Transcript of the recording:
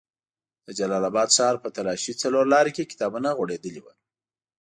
د جلال اباد ښار په تالاشۍ څلور لاري کې کتابونه غوړېدلي وو.